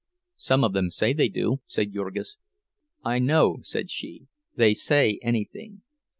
"Some of them say they do," said Jurgis. "I know," said she; "they say anything.